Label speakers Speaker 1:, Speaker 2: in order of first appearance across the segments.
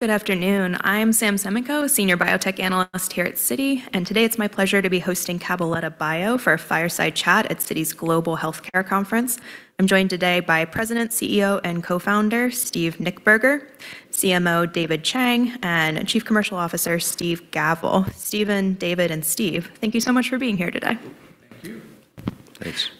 Speaker 1: Good afternoon. I'm Sam Semenkow, Senior Biotech Analyst here at Citi, and today it's my pleasure to be hosting Cabaletta Bio for a fireside chat at Citi's Global Healthcare Conference. I'm joined today by President, CEO, and Co-founder Steve Nichtberger, CMO David Chang, and Chief Commercial Officer Steve Gavel. Steven, David, and Steve, thank you so much for being here today.
Speaker 2: Thank you.
Speaker 3: Thanks.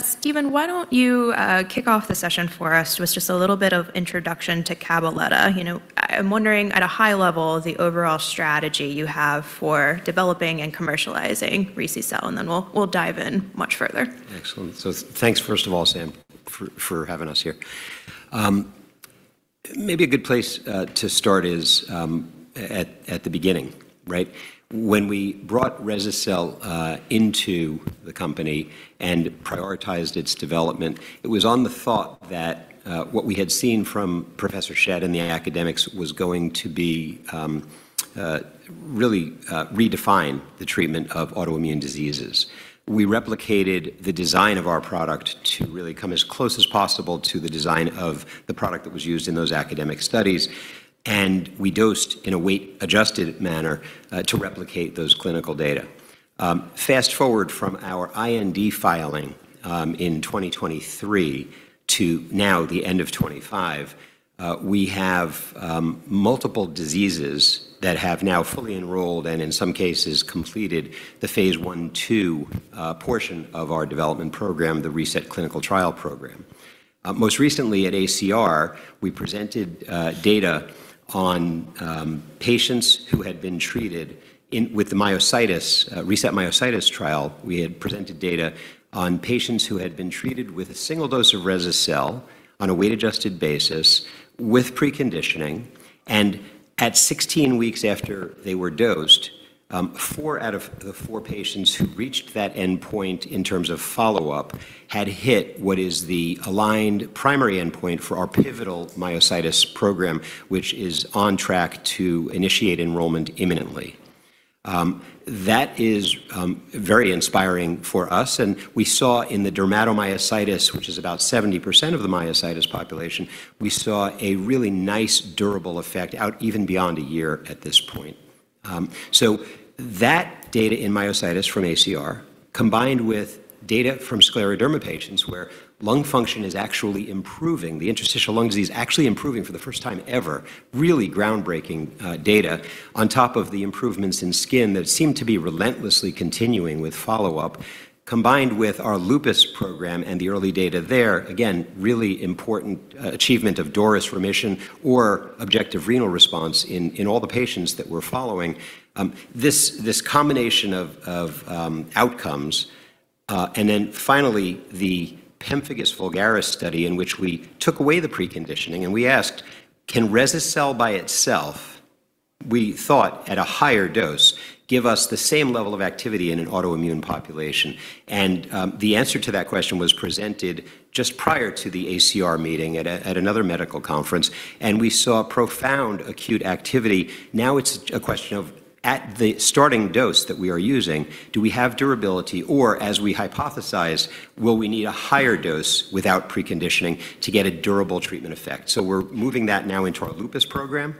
Speaker 1: Steven, why don't you kick off the session for us with just a little bit of introduction to Cabaletta? I'm wondering, at a high level, the overall strategy you have for developing and commercializing Rese-cel, and then we'll dive in much further.
Speaker 2: Excellent. So thanks, first of all, Sam, for having us here. Maybe a good place to start is at the beginning, right? When we brought Rese-cel into the company and prioritized its development, it was on the thought that what we had seen from Professor Schett and the academics was going to really redefine the treatment of autoimmune diseases. We replicated the design of our product to really come as close as possible to the design of the product that was used in those academic studies, and we dosed in a weight-adjusted manner to replicate those clinical data. Fast forward from our IND filing in 2023 to now the end of 2025, we have multiple diseases that have now fully enrolled and, in some cases, completed the phase 1/2 portion of our development program, the RESET Clinical Trial Program. Most recently, at ACR, we presented data on patients who had been treated with the RESET-Myositis Trial. We had presented data on patients who had been treated with a single dose of Rese-cel on a weight-adjusted basis with preconditioning, and at 16 weeks after they were dosed, four out of the four patients who reached that endpoint in terms of follow-up had hit what is the aligned primary endpoint for our pivotal myositis program, which is on track to initiate enrollment imminently. That is very inspiring for us, and we saw in the dermatomyositis, which is about 70% of the myositis population, we saw a really nice durable effect out even beyond a year at this point. That data in myositis from ACR, combined with data from scleroderma patients where lung function is actually improving, the interstitial lung disease actually improving for the first time ever, really groundbreaking data on top of the improvements in skin that seem to be relentlessly continuing with follow-up, combined with our lupus program and the early data there, again, really important achievement of DORIS remission or objective renal response in all the patients that we're following. This combination of outcomes, and then finally the Pemphigus vulgaris study in which we took away the preconditioning and we asked, can Rese-cel by itself, we thought at a higher dose, give us the same level of activity in an autoimmune population? The answer to that question was presented just prior to the ACR meeting at another medical conference, and we saw profound acute activity. Now it's a question of, at the starting dose that we are using, do we have durability? Or, as we hypothesize, will we need a higher dose without preconditioning to get a durable treatment effect? So we're moving that now into our lupus program,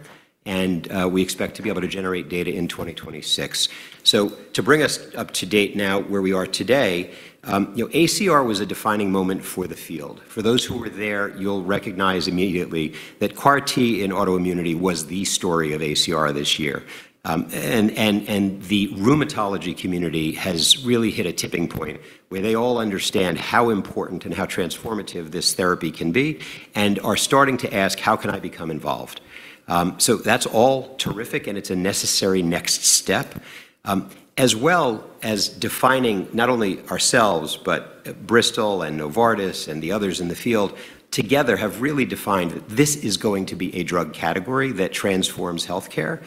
Speaker 2: and we expect to be able to generate data in 2026. So to bring us up to date now where we are today, ACR was a defining moment for the field. For those who were there, you'll recognize immediately that CAR-T in autoimmunity was the story of ACR this year, and the rheumatology community has really hit a tipping point where they all understand how important and how transformative this therapy can be and are starting to ask, how can I become involved? That's all terrific, and it's a necessary next step, as well as defining not only ourselves, but Bristol and Novartis and the others in the field together have really defined that this is going to be a drug category that transforms healthcare.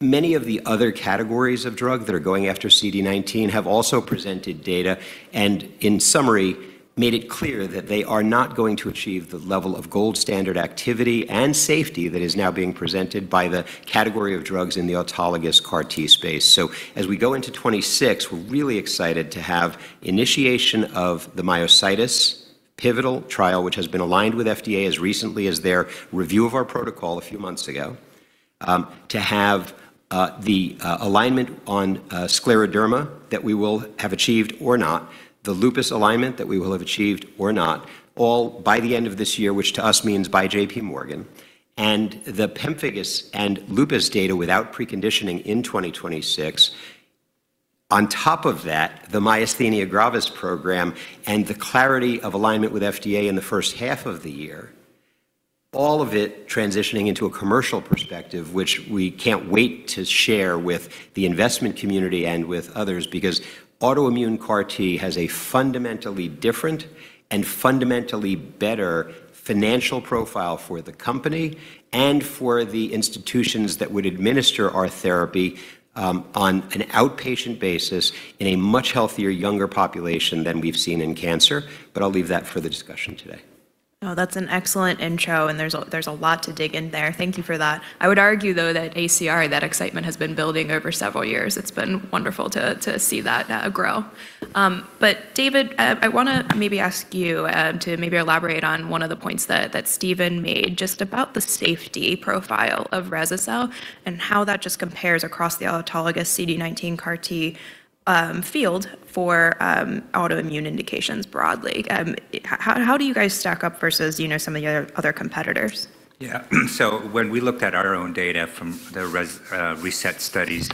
Speaker 2: Many of the other categories of drug that are going after CD19 have also presented data and, in summary, made it clear that they are not going to achieve the level of gold standard activity and safety that is now being presented by the category of drugs in the autologous CAR-T space. So as we go into 2026, we're really excited to have initiation of the myositis pivotal trial, which has been aligned with FDA as recently as their review of our protocol a few months ago, to have the alignment on scleroderma that we will have achieved or not, the lupus alignment that we will have achieved or not, all by the end of this year, which to us means by JPMorgan, and the Pemphigus and lupus data without preconditioning in 2026. On top of that, the myasthenia gravis program and the clarity of alignment with FDA in the first half of the year, all of it transitioning into a commercial perspective, which we can't wait to share with the investment community and with others because autoimmune CAR-T has a fundamentally different and fundamentally better financial profile for the company and for the institutions that would administer our therapy on an outpatient basis in a much healthier younger population than we've seen in cancer. But I'll leave that for the discussion today.
Speaker 1: Oh, that's an excellent intro, and there's a lot to dig in there. Thank you for that. I would argue, though, that ACR, that excitement has been building over several years. It's been wonderful to see that grow. But David, I want to maybe ask you to maybe elaborate on one of the points that Steven made just about the safety profile of Rese-cel and how that just compares across the autologous CD19 CAR-T field for autoimmune indications broadly. How do you guys stack up versus some of the other competitors?
Speaker 4: Yeah. So when we looked at our own data from the RESET studies,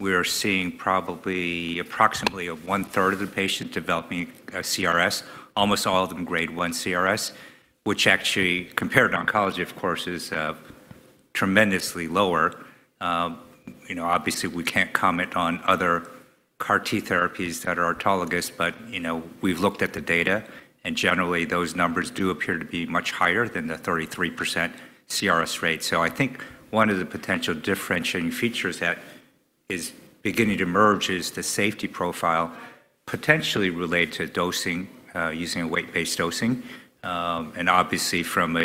Speaker 4: we are seeing probably approximately one-third of the patients developing CRS, almost all of them grade 1 CRS, which actually, compared to oncology, of course, is tremendously lower. Obviously, we can't comment on other CAR-T therapies that are autologous, but we've looked at the data, and generally, those numbers do appear to be much higher than the 33% CRS rate. So I think one of the potential differentiating features that is beginning to emerge is the safety profile, potentially related to dosing, using a weight-based dosing. And obviously, from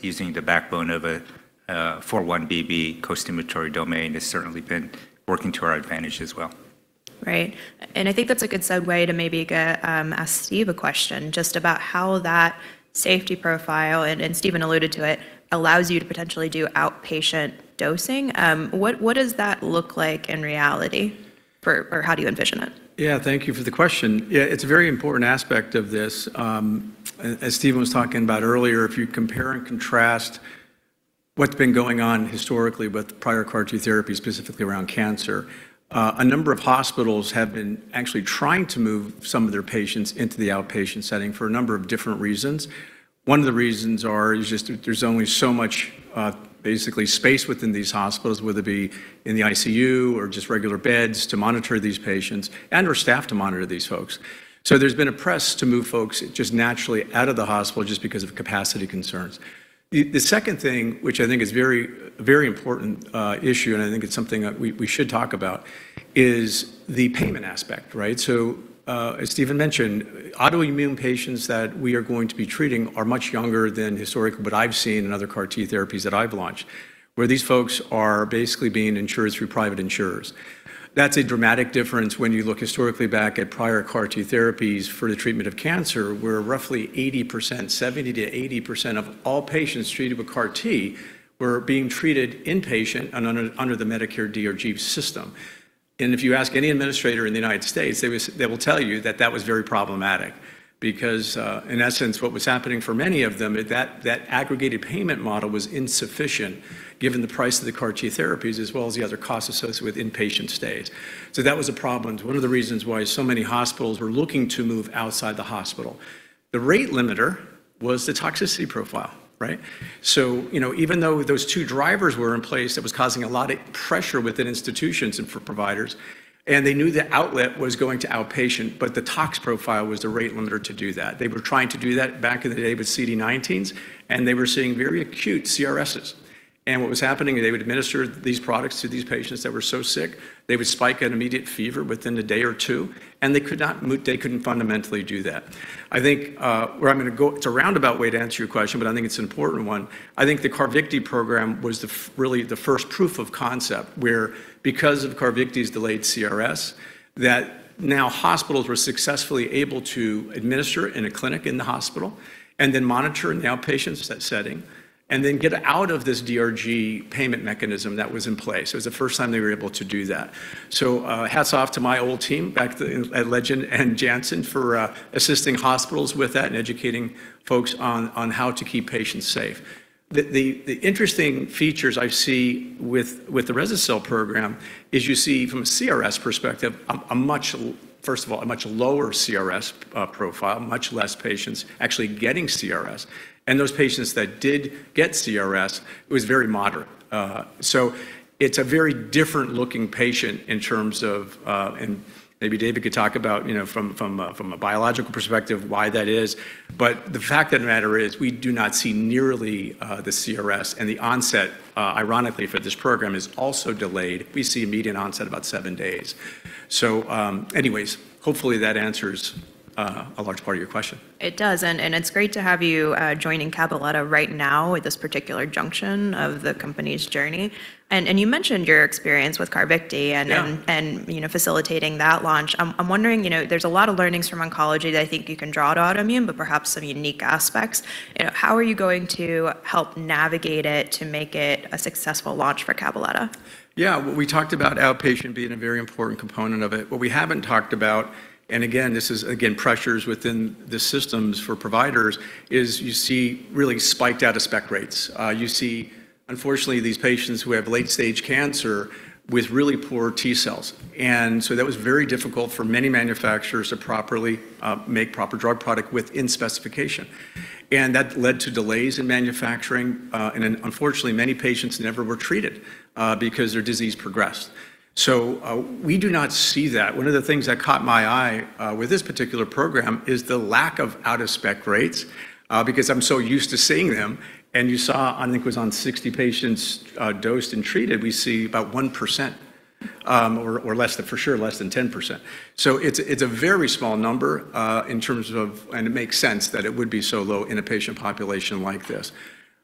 Speaker 4: using the backbone of a 4-1BB co-stimulatory domain, it's certainly been working to our advantage as well.
Speaker 1: Right. And I think that's a good segue to maybe ask Steve a question just about how that safety profile, and Steven alluded to it, allows you to potentially do outpatient dosing. What does that look like in reality, or how do you envision it?
Speaker 3: Yeah, thank you for the question. Yeah, it's a very important aspect of this. As Steven was talking about earlier, if you compare and contrast what's been going on historically with prior CAR-T therapy, specifically around cancer, a number of hospitals have been actually trying to move some of their patients into the outpatient setting for a number of different reasons. One of the reasons is just there's only so much basically space within these hospitals, whether it be in the ICU or just regular beds to monitor these patients and/or staff to monitor these folks. So there's been a press to move folks just naturally out of the hospital just because of capacity concerns. The second thing, which I think is a very important issue, and I think it's something that we should talk about, is the payment aspect, right? So as Steven mentioned, autoimmune patients that we are going to be treating are much younger than historically what I've seen in other CAR-T therapies that I've launched, where these folks are basically being insured through private insurers. That's a dramatic difference. When you look historically back at prior CAR-T therapies for the treatment of cancer, where roughly 70%-80% of all patients treated with CAR-T were being treated inpatient and under the Medicare DRG system. And if you ask any administrator in the United States, they will tell you that that was very problematic because, in essence, what was happening for many of them is that that aggregated payment model was insufficient given the price of the CAR-T therapies, as well as the other costs associated with inpatient stays. So that was a problem. It's one of the reasons why so many hospitals were looking to move outside the hospital. The rate limiter was the toxicity profile, right? So even though those two drivers were in place that was causing a lot of pressure within institutions and for providers, and they knew the outlet was going to outpatient, but the tox profile was the rate limiter to do that. They were trying to do that back in the day with CD19s, and they were seeing very acute CRSs. And what was happening is they would administer these products to these patients that were so sick, they would spike an immediate fever within a day or two, and they could not, they couldn't fundamentally do that. I think where I'm going to go, it's a roundabout way to answer your question, but I think it's an important one. I think the Carvykti program was really the first proof of concept where, because of Carvykti's delayed CRS, that now hospitals were successfully able to administer in a clinic in the hospital and then monitor in the outpatient setting and then get out of this DRG payment mechanism that was in place. It was the first time they were able to do that. So hats off to my old team, back at Legend and Janssen, for assisting hospitals with that and educating folks on how to keep patients safe. The interesting features I see with the Rese-cel program is you see, from a CRS perspective, first of all, a much lower CRS profile, much less patients actually getting CRS, and those patients that did get CRS, it was very moderate. So it's a very different-looking patient in terms of, and maybe David could talk about from a biological perspective why that is. But the fact of the matter is we do not see nearly the CRS, and the onset, ironically, for this program is also delayed. We see a median onset about seven days. So anyways, hopefully that answers a large part of your question.
Speaker 1: It does, and it's great to have you joining Cabaletta right now at this particular junction of the company's journey. And you mentioned your experience with Carvykti and facilitating that launch. I'm wondering, there's a lot of learnings from oncology that I think you can draw to autoimmune, but perhaps some unique aspects. How are you going to help navigate it to make it a successful launch for Cabaletta?
Speaker 3: Yeah, we talked about outpatient being a very important component of it. What we haven't talked about, and again, this is, again, pressures within the systems for providers is you see really spiked out-of-spec rates. You see, unfortunately, these patients who have late-stage cancer with really poor T cells, and so that was very difficult for many manufacturers to properly make proper drug product within specification, and that led to delays in manufacturing, and unfortunately, many patients never were treated because their disease progressed. So we do not see that. One of the things that caught my eye with this particular program is the lack of out-of-spec rates because I'm so used to seeing them, and you saw, I think it was on 60 patients dosed and treated, we see about 1% or less, for sure, less than 10%. So it's a very small number in terms of, and it makes sense that it would be so low in a patient population like this.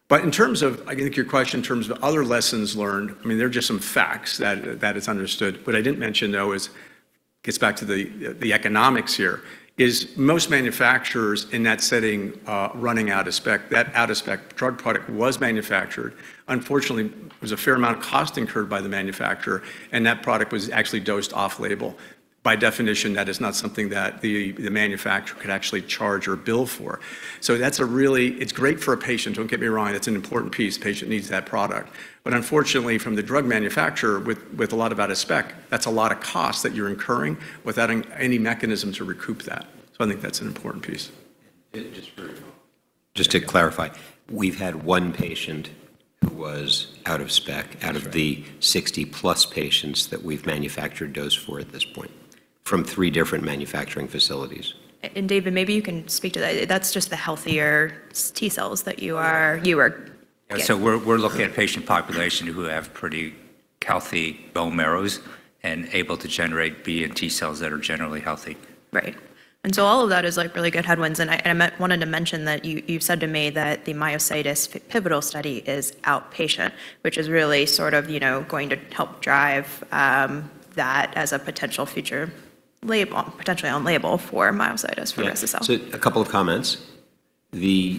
Speaker 3: But in terms of, I think your question in terms of other lessons learned, I mean, there are just some facts that it's understood. What I didn't mention, though, is gets back to the economics here, is most manufacturers in that setting running out-of-spec, that out-of-spec drug product was manufactured. Unfortunately, there was a fair amount of cost incurred by the manufacturer, and that product was actually dosed off-label. By definition, that is not something that the manufacturer could actually charge or bill for. So that's a really, it's great for a patient, don't get me wrong, that's an important piece. The patient needs that product. But unfortunately, from the drug manufacturer with a lot of out-of-spec, that's a lot of cost that you're incurring without any mechanism to recoup that. So I think that's an important piece.
Speaker 2: Just to clarify, we've had one patient who was out-of-spec out of the 60-plus patients that we've manufactured dose for at this point from three different manufacturing facilities.
Speaker 1: And David, maybe you can speak to that. That's just the healthier T cells that you are.
Speaker 4: So we're looking at patient population who have pretty healthy bone marrows and able to generate B and T cells that are generally healthy.
Speaker 1: Right. And so all of that is really good headwinds. And I wanted to mention that you said to me that the Myositis Pivotal study is outpatient, which is really sort of going to help drive that as a potential future label, potentially on label for Myositis for Rese-cel.
Speaker 4: So a couple of comments. The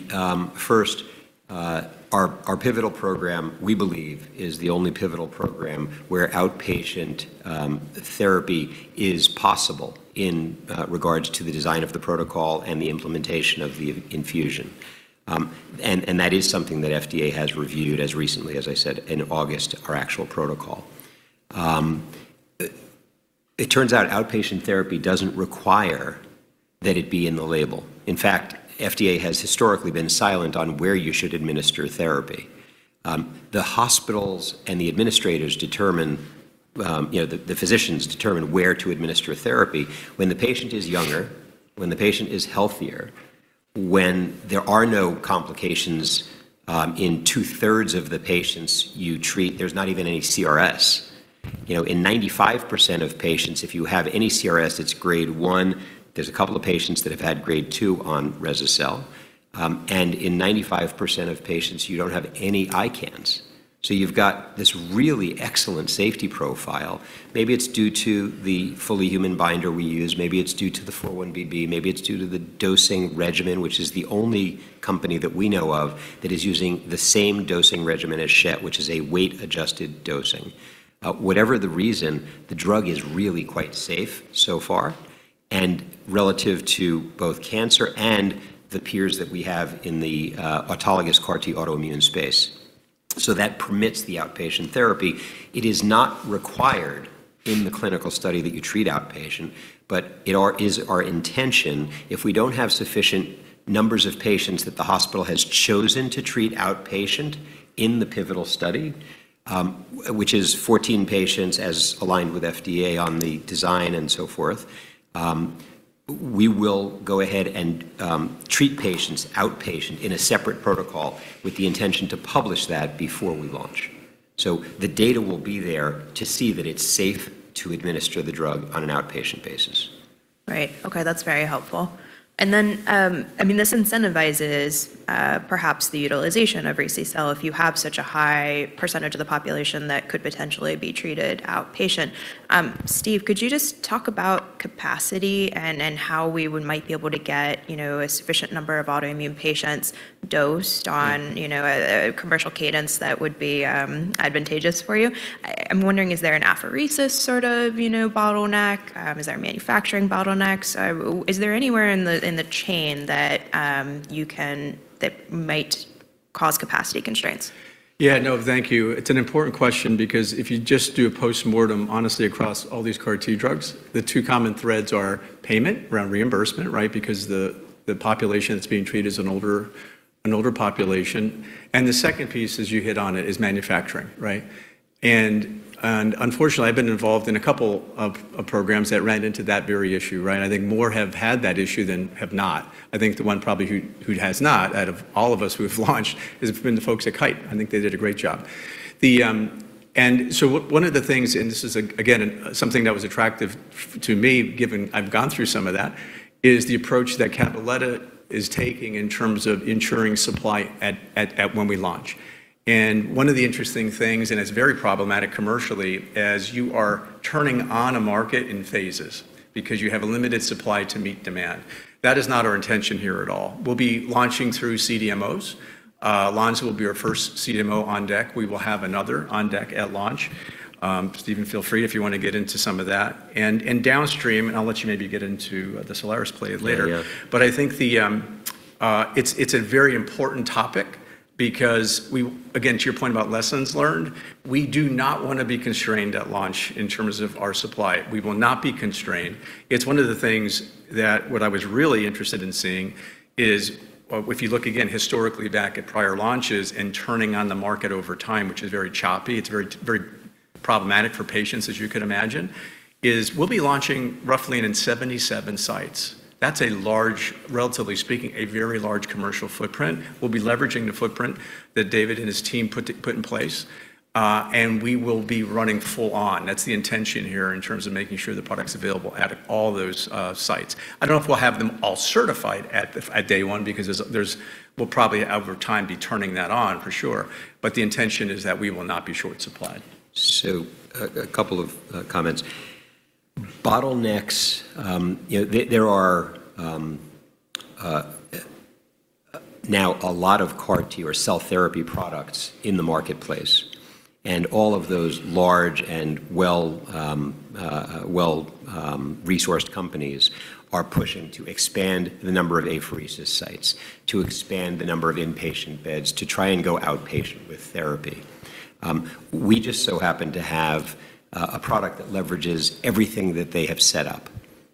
Speaker 4: first, our Pivotal program, we believe, is the only Pivotal program where outpatient therapy is possible in regards to the design of the protocol and the implementation of the infusion. And that is something that FDA has reviewed as recently, as I said, in August, our actual protocol. It turns out outpatient therapy doesn't require that it be in the label. In fact, FDA has historically been silent on where you should administer therapy. The hospitals and the administrators determine, the physicians determine where to administer therapy when the patient is younger, when the patient is healthier, when there are no complications. In two-thirds of the patients you treat, there's not even any CRS. In 95% of patients, if you have any CRS, it's grade 1. There's a couple of patients that have had grade 2 on Rese-cel. In 95% of patients, you don't have any ICANS. So you've got this really excellent safety profile. Maybe it's due to the fully human binder we use. Maybe it's due to the 4-1BB. Maybe it's due to the dosing regimen, which is the only company that we know of that is using the same dosing regimen as Schett, which is a weight-adjusted dosing. Whatever the reason, the drug is really quite safe so far and relative to both cancer and the peers that we have in the autologous CAR-T autoimmune space. So that permits the outpatient therapy. It is not required in the clinical study that you treat outpatient, but it is our intention. If we don't have sufficient numbers of patients that the hospital has chosen to treat outpatient in the pivotal study, which is 14 patients as aligned with FDA on the design and so forth, we will go ahead and treat patients outpatient in a separate protocol with the intention to publish that before we launch. So the data will be there to see that it's safe to administer the drug on an outpatient basis.
Speaker 1: Right. Okay, that's very helpful. And then, I mean, this incentivizes perhaps the utilization of Rese-cel if you have such a high percentage of the population that could potentially be treated outpatient. Steve, could you just talk about capacity and how we might be able to get a sufficient number of autoimmune patients dosed on a commercial cadence that would be advantageous for you? I'm wondering, is there an apheresis sort of bottleneck? Is there a manufacturing bottleneck? Is there anywhere in the chain that you can that might cause capacity constraints?
Speaker 3: Yeah, no, thank you. It's an important question because if you just do a postmortem, honestly, across all these CAR-T drugs, the two common threads are payment around reimbursement, right? Because the population that's being treated is an older population. And the second piece, as you hit on it, is manufacturing, right? And unfortunately, I've been involved in a couple of programs that ran into that very issue, right? I think more have had that issue than have not. I think the one probably who has not, out of all of us who have launched, has been the folks at Kite. I think they did a great job. And so one of the things, and this is, again, something that was attractive to me, given I've gone through some of that, is the approach that Cabaletta is taking in terms of ensuring supply when we launch. One of the interesting things, and it's very problematic commercially, is you are turning on a market in phases because you have a limited supply to meet demand. That is not our intention here at all. We'll be launching through CDMOs. Lonza will be our first CDMO on deck. We will have another on deck at launch. Steven, feel free if you want to get into some of that. Downstream, and I'll let you maybe get into the Cellares play later. I think it's a very important topic because, again, to your point about lessons learned, we do not want to be constrained at launch in terms of our supply. We will not be constrained. It's one of the things that what I was really interested in seeing is if you look again historically back at prior launches and turning on the market over time, which is very choppy. It's very problematic for patients, as you could imagine. We'll be launching roughly in 77 sites. That's a large, relatively speaking, a very large commercial footprint. We'll be leveraging the footprint that David and his team put in place, and we will be running full on. That's the intention here in terms of making sure the product's available at all those sites. I don't know if we'll have them all certified at day one because we'll probably over time be turning that on for sure, but the intention is that we will not be short supplied.
Speaker 2: So a couple of comments. Bottlenecks, there are now a lot of CAR-T or cell therapy products in the marketplace, and all of those large and well-resourced companies are pushing to expand the number of apheresis sites, to expand the number of inpatient beds, to try and go outpatient with therapy. We just so happen to have a product that leverages everything that they have set up,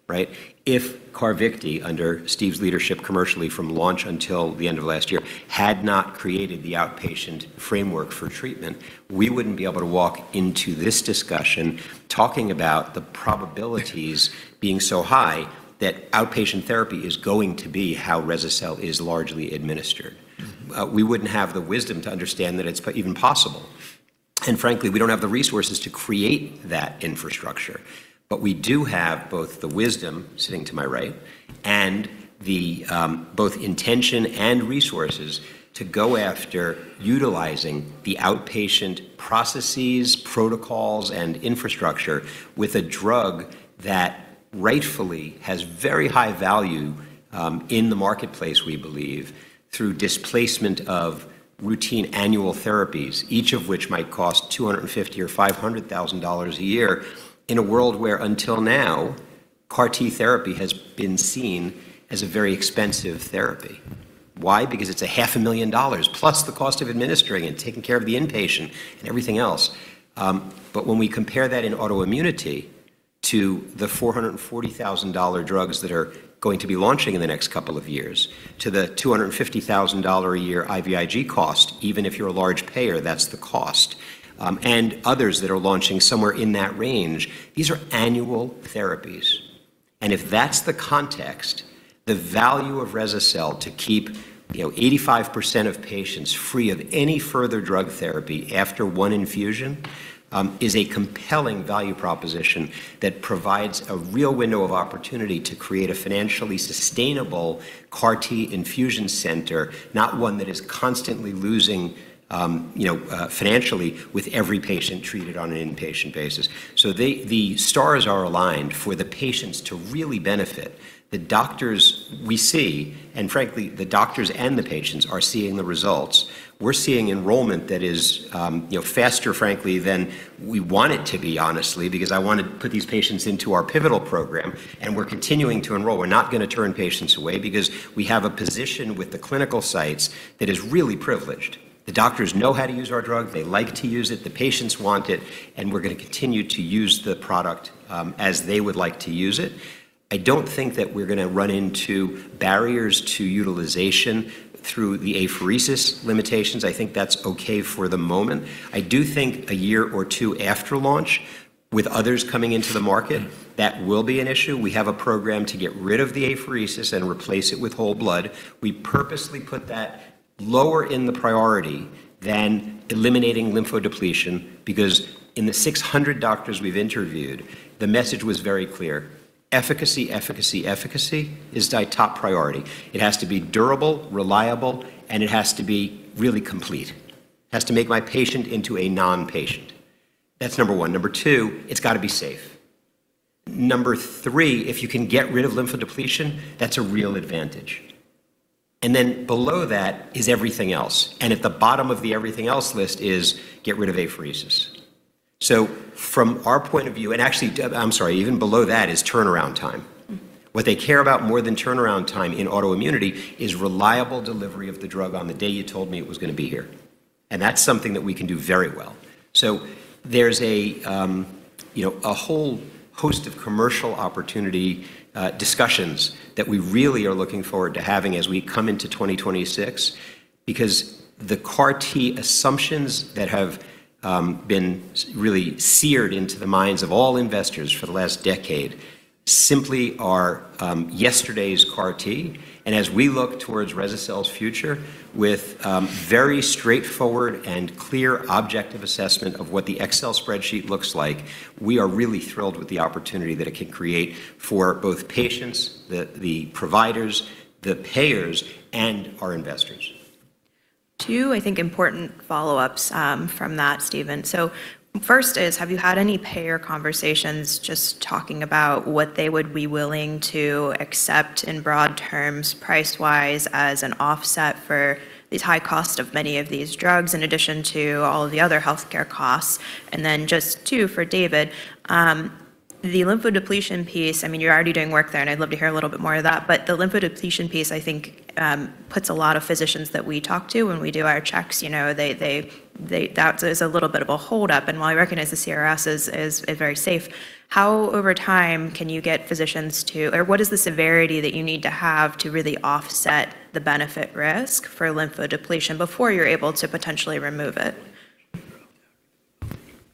Speaker 2: right? If Carvykti, under Steve's leadership commercially from launch until the end of last year, had not created the outpatient framework for treatment, we wouldn't be able to walk into this discussion talking about the probabilities being so high that outpatient therapy is going to be how Rese-cel is largely administered. We wouldn't have the wisdom to understand that it's even possible. And frankly, we don't have the resources to create that infrastructure. But we do have both the wisdom sitting to my right and both intention and resources to go after utilizing the outpatient processes, protocols, and infrastructure with a drug that rightfully has very high value in the marketplace, we believe, through displacement of routine annual therapies, each of which might cost $250,000 or $500,000 a year in a world where until now, CAR-T therapy has been seen as a very expensive therapy. Why? Because it's $500,000 plus the cost of administering and taking care of the inpatient and everything else. But when we compare that in autoimmunity to the $440,000 drugs that are going to be launching in the next couple of years, to the $250,000 a year IVIG cost, even if you're a large payer, that's the cost, and others that are launching somewhere in that range, these are annual therapies. If that's the context, the value of Rese-cel to keep 85% of patients free of any further drug therapy after one infusion is a compelling value proposition that provides a real window of opportunity to create a financially sustainable CAR-T infusion center, not one that is constantly losing financially with every patient treated on an inpatient basis. The stars are aligned for the patients to really benefit. The doctors we see, and frankly, the doctors and the patients are seeing the results. We're seeing enrollment that is faster, frankly, than we want it to be, honestly, because I want to put these patients into our Pivotal program, and we're continuing to enroll. We're not going to turn patients away because we have a position with the clinical sites that is really privileged. The doctors know how to use our drug. They like to use it. The patients want it, and we're going to continue to use the product as they would like to use it. I don't think that we're going to run into barriers to utilization through the apheresis limitations. I think that's okay for the moment. I do think a year or two after launch with others coming into the market, that will be an issue. We have a program to get rid of the apheresis and replace it with whole blood. We purposely put that lower in the priority than eliminating lymphodepletion because in the 600 doctors we've interviewed, the message was very clear. Efficacy, efficacy, efficacy is my top priority. It has to be durable, reliable, and it has to be really complete. It has to make my patient into a non-patient. That's number one. Number two, it's got to be safe. Number three, if you can get rid of lymphodepletion, that's a real advantage. And then below that is everything else. And at the bottom of the everything else list is get rid of apheresis. So from our point of view, and actually, I'm sorry, even below that is turnaround time. What they care about more than turnaround time in autoimmunity is reliable delivery of the drug on the day you told me it was going to be here. And that's something that we can do very well. So there's a whole host of commercial opportunity discussions that we really are looking forward to having as we come into 2026 because the CAR-T assumptions that have been really seared into the minds of all investors for the last decade simply are yesterday's CAR-T. As we look towards Rese-cel's future with very straightforward and clear objective assessment of what the Excel spreadsheet looks like, we are really thrilled with the opportunity that it can create for both patients, the providers, the payers, and our investors.
Speaker 1: Two, I think, important follow-ups from that, Steven. So first is, have you had any payer conversations just talking about what they would be willing to accept in broad terms, price-wise, as an offset for the high cost of many of these drugs in addition to all of the other healthcare costs? And then just two for David. The lymphodepletion piece, I mean, you're already doing work there, and I'd love to hear a little bit more of that, but the lymphodepletion piece, I think, puts a lot of physicians that we talk to when we do our checks. That is a little bit of a hold-up. And while I recognize the CRS is very safe, how over time can you get physicians to, or what is the severity that you need to have to really offset the benefit risk for lymphodepletion before you're able to potentially remove it?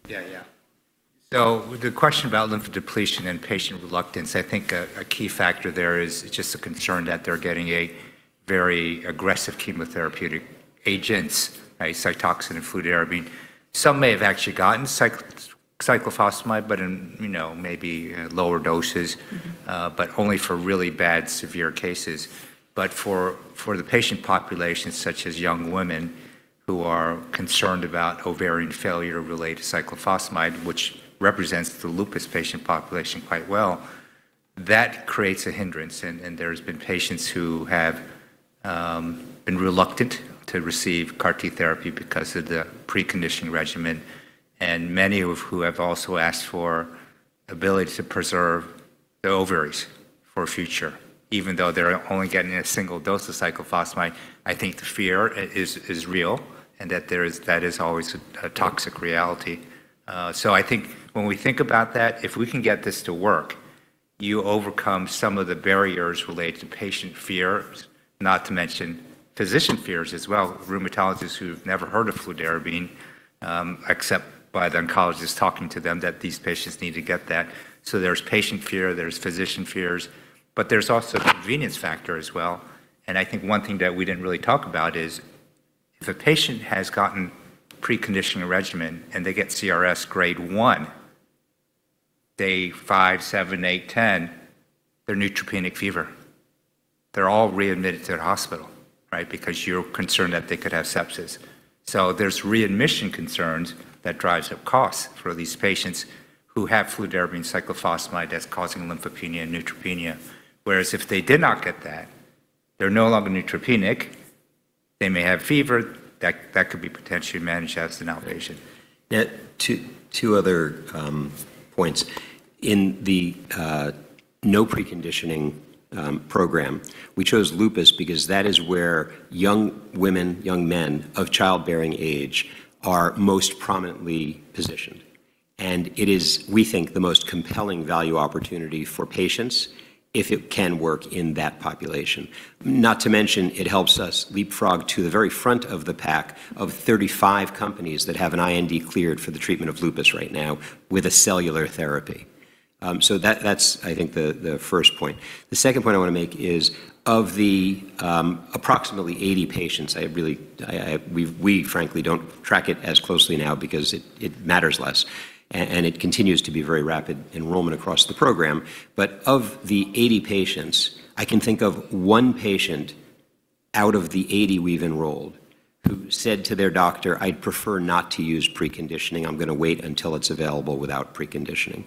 Speaker 2: Yeah, yeah. So the question about lymphodepletion and patient reluctance, I think a key factor there is just a concern that they're getting a very aggressive chemotherapeutic agent, right? Cytoxan and fludarabine. Some may have actually gotten cyclophosphamide, but in maybe lower doses, but only for really bad, severe cases. But for the patient population, such as young women who are concerned about ovarian failure related to cyclophosphamide, which represents the lupus patient population quite well, that creates a hindrance. And there have been patients who have been reluctant to receive CAR-T therapy because of the preconditioning regimen, and many of whom have also asked for the ability to preserve the ovaries for future, even though they're only getting a single dose of cyclophosphamide. I think the fear is real and that that is always a toxic reality. So I think when we think about that, if we can get this to work, you overcome some of the barriers related to patient fear, not to mention physician fears as well. Rheumatologists who have never heard of fludarabine, except by the oncologist talking to them, that these patients need to get that. So there's patient fear, there's physician fears, but there's also convenience factor as well. And I think one thing that we didn't really talk about is if a patient has gotten preconditioning regimen and they get CRS grade one, day five, seven, eight, 10, they're neutropenic fever. They're all readmitted to the hospital, right? Because you're concerned that they could have sepsis. So there's readmission concerns that drive up costs for these patients who have fludarabine cyclophosphamide that's causing lymphopenia and neutropenia. Whereas if they did not get that, they're no longer neutropenic, they may have fever. That could be potentially managed as an outpatient.
Speaker 4: Two other points. In the no preconditioning program, we chose lupus because that is where young women, young men of childbearing age are most prominently positioned. And it is, we think, the most compelling value opportunity for patients if it can work in that population. Not to mention, it helps us leapfrog to the very front of the pack of 35 companies that have an IND cleared for the treatment of lupus right now with a cellular therapy. So that's, I think, the first point. The second point I want to make is of the approximately 80 patients, I really, we frankly don't track it as closely now because it matters less. And it continues to be very rapid enrollment across the program. But of the 80 patients, I can think of one patient out of the 80 we've enrolled who said to their doctor, "I'd prefer not to use preconditioning. I'm going to wait until it's available without preconditioning."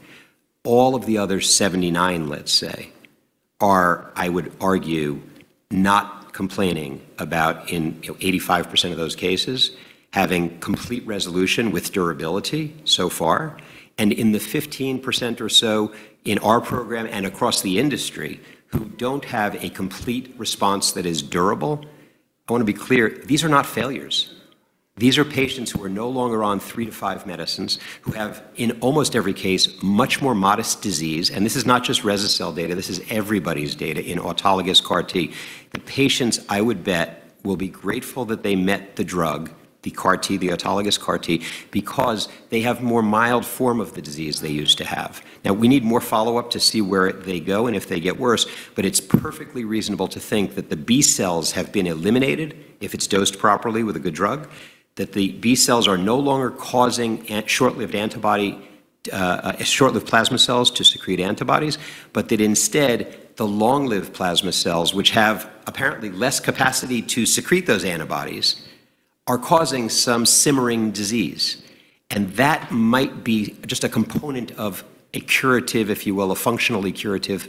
Speaker 4: All of the other 79, let's say, are, I would argue, not complaining about in 85% of those cases, having complete resolution with durability so far. And in the 15% or so in our program and across the industry who don't have a complete response that is durable, I want to be clear, these are not failures. These are patients who are no longer on three to five medicines, who have in almost every case much more modest disease. And this is not just Rese-cel data. This is everybody's data in autologous CAR-T. The patients, I would bet, will be grateful that they met the drug, the CAR-T, the autologous CAR-T, because they have a more mild form of the disease they used to have. Now, we need more follow-up to see where they go and if they get worse, but it's perfectly reasonable to think that the B cells have been eliminated if it's dosed properly with a good drug, that the B cells are no longer causing short-lived antibody, short-lived plasma cells to secrete antibodies, but that instead the long-lived plasma cells, which have apparently less capacity to secrete those antibodies, are causing some simmering disease. And that might be just a component of a curative, if you will, a functionally curative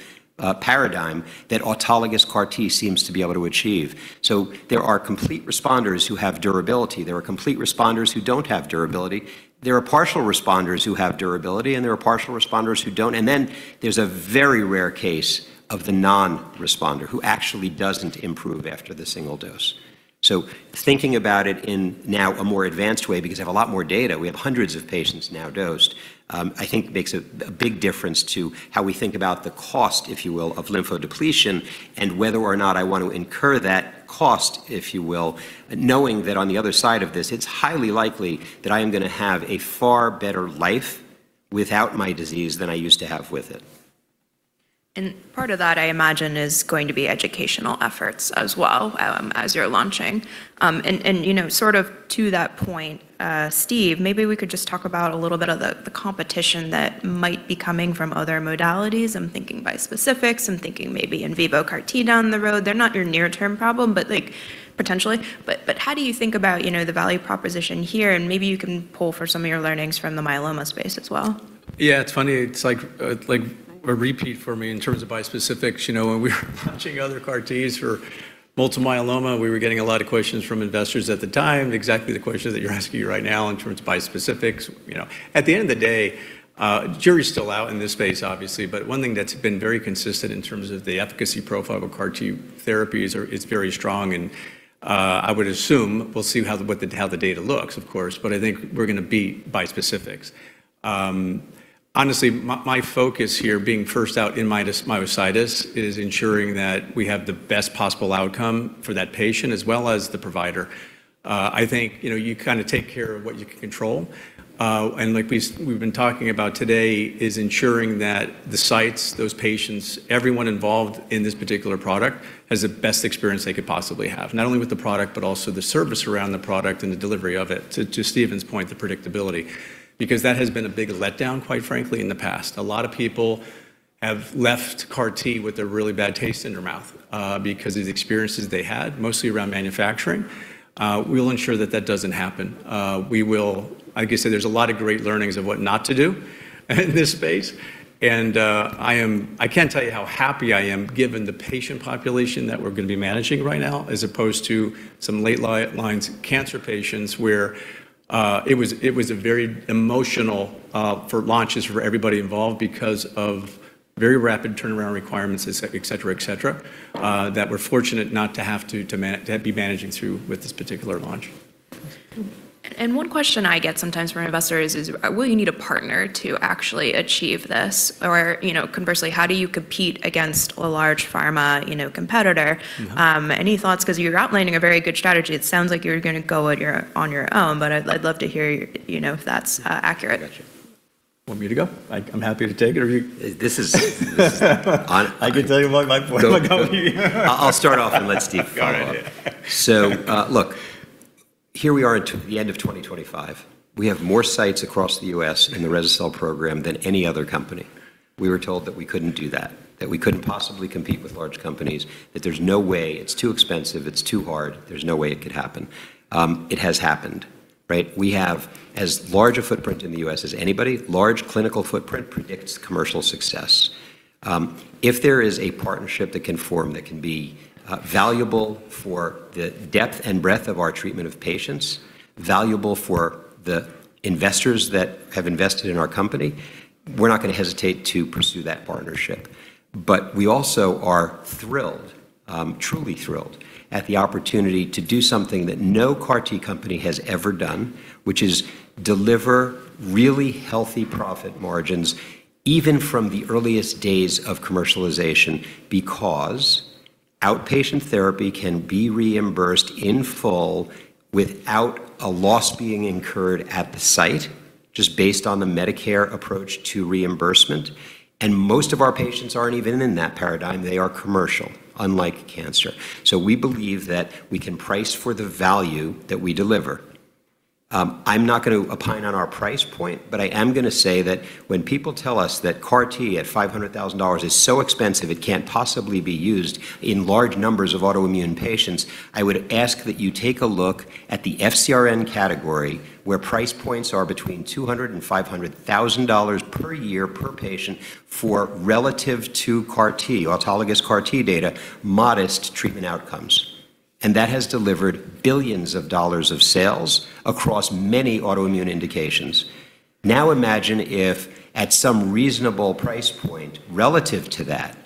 Speaker 4: paradigm that autologous CAR-T seems to be able to achieve. So there are complete responders who have durability. There are complete responders who don't have durability. There are partial responders who have durability, and there are partial responders who don't. And then there's a very rare case of the non-responder who actually doesn't improve after the single dose, so thinking about it in now a more advanced way because we have a lot more data, we have hundreds of patients now dosed, I think makes a big difference to how we think about the cost, if you will, of lymphodepletion and whether or not I want to incur that cost, if you will, knowing that on the other side of this, it's highly likely that I am going to have a far better life without my disease than I used to have with it.
Speaker 1: And part of that, I imagine, is going to be educational efforts as well as you're launching. And sort of to that point, Steve, maybe we could just talk about a little bit of the competition that might be coming from other modalities. I'm thinking bispecifics. I'm thinking maybe in vivo CAR-T down the road. They're not your near-term problem, but potentially. But how do you think about the value proposition here? And maybe you can pull for some of your learnings from the myeloma space as well.
Speaker 3: Yeah, it's funny. It's like a repeat for me in terms of bispecifics. When we were launching other CAR-Ts for multiple myeloma, we were getting a lot of questions from investors at the time, exactly the questions that you're asking right now in terms of bispecifics. At the end of the day, jury's still out in this space, obviously, but one thing that's been very consistent in terms of the efficacy profile of CAR-T therapies is very strong, and I would assume we'll see how the data looks, of course, but I think we're going to beat bispecifics. Honestly, my focus here, being first out in myositis, is ensuring that we have the best possible outcome for that patient as well as the provider. I think you kind of take care of what you can control. Like we've been talking about today, is ensuring that the sites, those patients, everyone involved in this particular product has the best experience they could possibly have, not only with the product, but also the service around the product and the delivery of it. To Steven's point, the predictability, because that has been a big letdown, quite frankly, in the past. A lot of people have left CAR-T with a really bad taste in their mouth because of the experiences they had, mostly around manufacturing. We'll ensure that that doesn't happen. We will, I guess, say there's a lot of great learnings of what not to do in this space. And I can't tell you how happy I am given the patient population that we're going to be managing right now, as opposed to some late-line cancer patients where it was a very emotional launch for everybody involved because of very rapid turnaround requirements, et cetera, et cetera, that we're fortunate not to have to be managing through with this particular launch.
Speaker 1: One question I get sometimes from investors is, will you need a partner to actually achieve this? Or conversely, how do you compete against a large pharma competitor? Any thoughts? Because you're outlining a very good strategy. It sounds like you're going to go on your own, but I'd love to hear if that's accurate.
Speaker 2: Want me to go? I'm happy to take it. I can tell you what my point of view.
Speaker 4: I'll start off and let Steve guide it. So look, here we are at the end of 2025. We have more sites across the U.S. in the Rese-cel program than any other company. We were told that we couldn't do that, that we couldn't possibly compete with large companies, that there's no way, it's too expensive, it's too hard, there's no way it could happen. It has happened, right? We have as large a footprint in the U.S. as anybody. Large clinical footprint predicts commercial success. If there is a partnership that can form that can be valuable for the depth and breadth of our treatment of patients, valuable for the investors that have invested in our company, we're not going to hesitate to pursue that partnership. But we also are thrilled, truly thrilled at the opportunity to do something that no CAR-T company has ever done, which is deliver really healthy profit margins even from the earliest days of commercialization because outpatient therapy can be reimbursed in full without a loss being incurred at the site, just based on the Medicare approach to reimbursement. And most of our patients aren't even in that paradigm. They are commercial, unlike cancer. So we believe that we can price for the value that we deliver. I'm not going to opine on our price point, but I am going to say that when people tell us that CAR-T at $500,000 is so expensive, it can't possibly be used in large numbers of autoimmune patients, I would ask that you take a look at the FcRn category where price points are between $200,000 and $500,000 per year per patient for relative to CAR-T, autologous CAR-T data, modest treatment outcomes, and that has delivered billions of dollars of sales across many autoimmune indications. Now imagine if at some reasonable price point relative to that,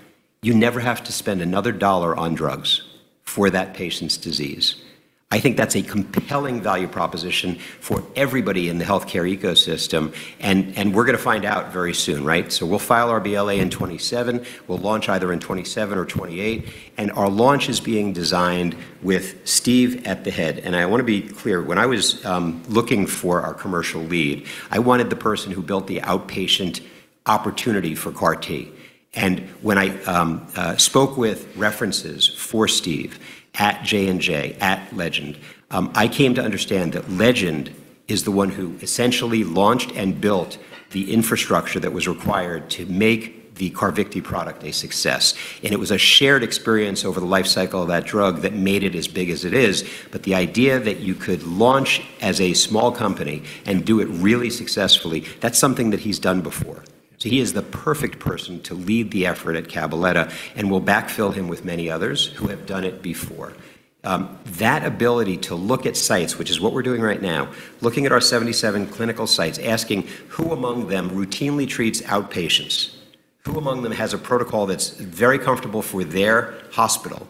Speaker 4: you never have to spend another dollar on drugs for that patient's disease. I think that's a compelling value proposition for everybody in the healthcare ecosystem. And we're going to find out very soon, right? So we'll file our BLA in 2027. We'll launch either in 2027 or 2028. And our launch is being designed with Steve at the head. And I want to be clear, when I was looking for our commercial lead, I wanted the person who built the outpatient opportunity for CAR-T. And when I spoke with references for Steve at J&J, at Legend, I came to understand that Legend is the one who essentially launched and built the infrastructure that was required to make the Carvykti product a success. And it was a shared experience over the lifecycle of that drug that made it as big as it is. But the idea that you could launch as a small company and do it really successfully, that's something that he's done before. So he is the perfect person to lead the effort at Cabaletta, and we'll backfill him with many others who have done it before. That ability to look at sites, which is what we're doing right now, looking at our 77 clinical sites, asking who among them routinely treats outpatients, who among them has a protocol that's very comfortable for their hospital,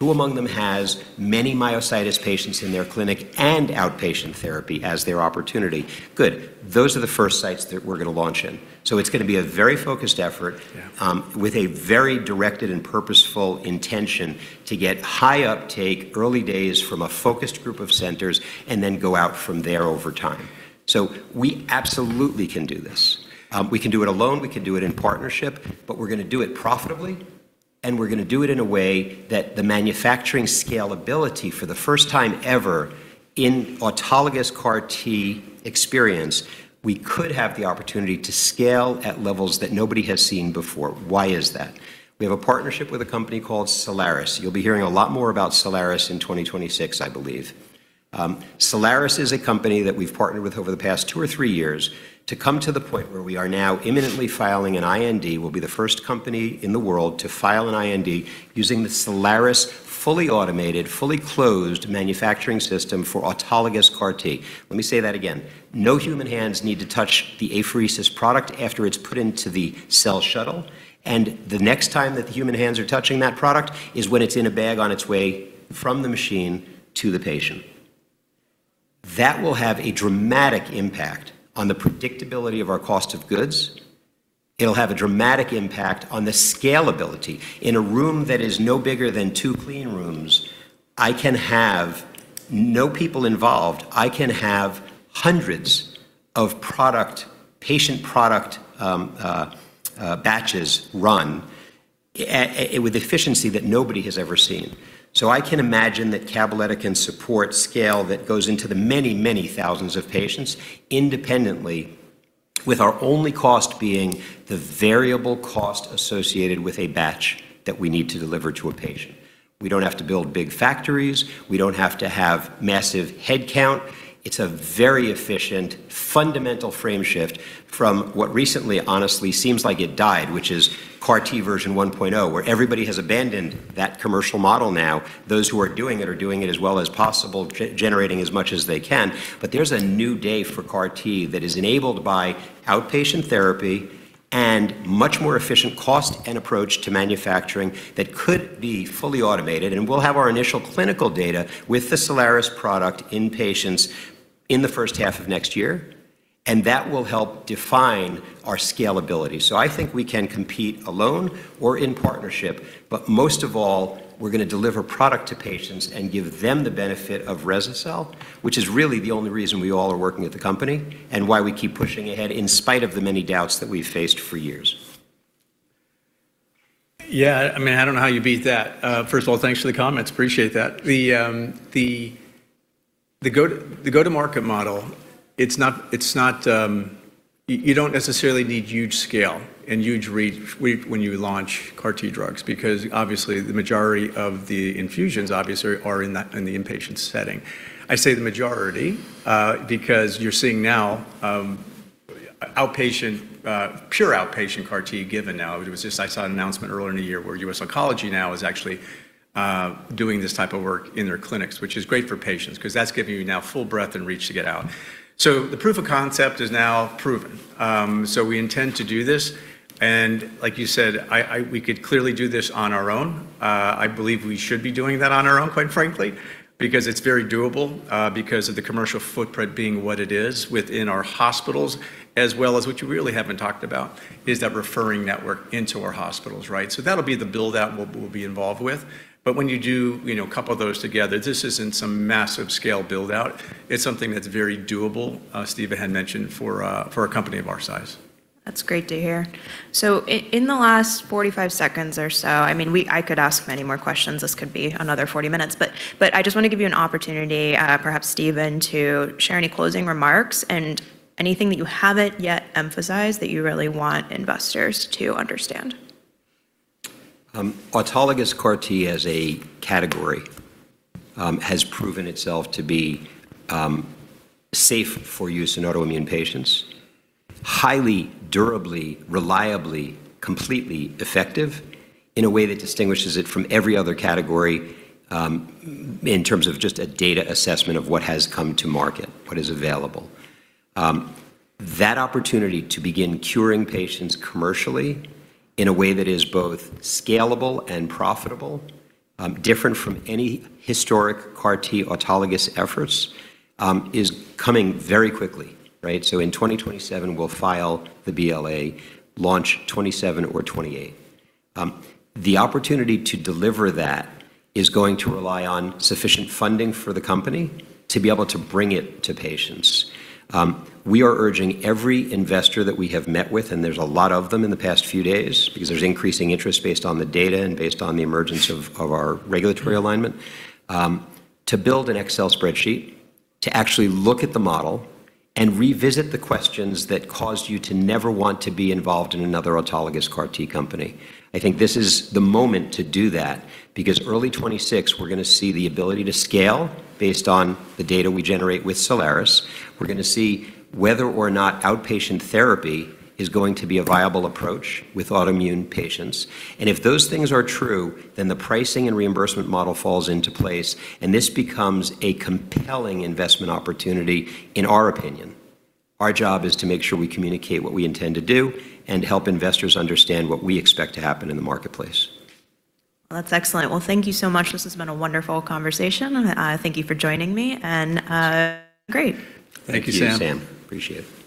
Speaker 4: who among them has many myositis patients in their clinic and outpatient therapy as their opportunity. Good. Those are the first sites that we're going to launch in. So it's going to be a very focused effort with a very directed and purposeful intention to get high uptake, early days from a focused group of centers, and then go out from there over time. So we absolutely can do this. We can do it alone. We can do it in partnership, but we're going to do it profitably, and we're going to do it in a way that the manufacturing scalability for the first time ever in autologous CAR-T experience, we could have the opportunity to scale at levels that nobody has seen before. Why is that? We have a partnership with a company called Cellares. You'll be hearing a lot more about Cellares in 2026, I believe. Cellares is a company that we've partnered with over the past two or three years to come to the point where we are now imminently filing an IND. We'll be the first company in the world to file an IND using the Cellares fully automated, fully closed manufacturing system for autologous CAR-T. Let me say that again. No human hands need to touch the apheresis product after it's put into the Cell Shuttle. The next time that human hands are touching that product is when it's in a bag on its way from the machine to the patient. That will have a dramatic impact on the predictability of our cost of goods. It'll have a dramatic impact on the scalability. In a room that is no bigger than two clean rooms, I can have no people involved. I can have hundreds of product, patient product batches run with efficiency that nobody has ever seen. I can imagine that Cabaletta can support scale that goes into the many, many thousands of patients independently, with our only cost being the variable cost associated with a batch that we need to deliver to a patient. We don't have to build big factories. We don't have to have massive head count. It's a very efficient, fundamental frame shift from what recently honestly seems like it died, which is CAR-T version 1.0, where everybody has abandoned that commercial model now. Those who are doing it are doing it as well as possible, generating as much as they can. But there's a new day for CAR-T that is enabled by outpatient therapy and much more efficient cost and approach to manufacturing that could be fully automated. And we'll have our initial clinical data with the Cellares product in patients in the first half of next year, and that will help define our scalability. I think we can compete alone or in partnership, but most of all, we're going to deliver product to patients and give them the benefit of Rese-cel, which is really the only reason we all are working at the company and why we keep pushing ahead in spite of the many doubts that we've faced for years.
Speaker 3: Yeah, I mean, I don't know how you beat that. First of all, thanks for the comments. Appreciate that. The go-to-market model, it's not you don't necessarily need huge scale and huge reach when you launch CAR-T drugs because obviously the majority of the infusions are in the inpatient setting. I say the majority because you're seeing now outpatient, pure outpatient CAR-T given now. It was just, I saw an announcement earlier in the year where US Oncology now is actually doing this type of work in their clinics, which is great for patients because that's giving you now full breadth and reach to get out. So the proof of concept is now proven. So we intend to do this, and like you said, we could clearly do this on our own. I believe we should be doing that on our own, quite frankly, because it's very doable because of the commercial footprint being what it is within our hospitals, as well as what you really haven't talked about is that referral network into our hospitals, right? So that'll be the buildout we'll be involved with. But when you do couple those together, this isn't some massive scale buildout. It's something that's very doable, Steve had mentioned, for a company of our size.
Speaker 1: That's great to hear. So in the last 45 seconds or so, I mean, I could ask many more questions. This could be another 40 minutes. But I just want to give you an opportunity, perhaps Steven, to share any closing remarks and anything that you haven't yet emphasized that you really want investors to understand.
Speaker 3: Autologous CAR-T as a category has proven itself to be safe for use in autoimmune patients, highly durably, reliably, completely effective in a way that distinguishes it from every other category in terms of just a data assessment of what has come to market, what is available. That opportunity to begin curing patients commercially in a way that is both scalable and profitable, different from any historic CAR-T autologous efforts, is coming very quickly, right? In 2027, we'll file the BLA, launch 2027 or 2028. The opportunity to deliver that is going to rely on sufficient funding for the company to be able to bring it to patients. We are urging every investor that we have met with, and there's a lot of them in the past few days because there's increasing interest based on the data and based on the emergence of our regulatory alignment, to build an Excel spreadsheet, to actually look at the model and revisit the questions that caused you to never want to be involved in another autologous CAR-T company. I think this is the moment to do that because early 2026, we're going to see the ability to scale based on the data we generate with Cellares. We're going to see whether or not outpatient therapy is going to be a viable approach with autoimmune patients. And if those things are true, then the pricing and reimbursement model falls into place, and this becomes a compelling investment opportunity, in our opinion. Our job is to make sure we communicate what we intend to do and help investors understand what we expect to happen in the marketplace.
Speaker 1: That's excellent. Well, thank you so much. This has been a wonderful conversation. Thank you for joining me, and great.
Speaker 2: Thank you, Sam.
Speaker 3: Thank you, Sam. Appreciate it.